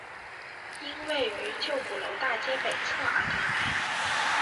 因位于旧鼓楼大街北侧而得名。